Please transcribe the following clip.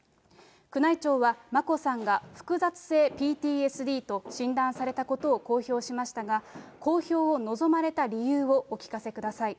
宮内庁は眞子さんが複雑性ＰＴＳＤと診断されたことを公表しましたが、公表を望まれた理由をお聞かせください。